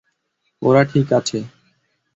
ওরা ঠিক আছে।